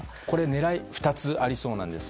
狙いは２つありそうなんです。